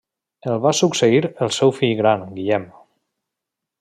El va succeir el seu fill gran Guillem.